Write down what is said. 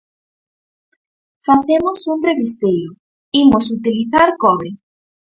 Facemos un revisteiro, imos utilizar cobre.